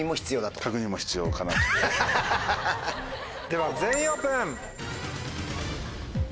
では全員オープン！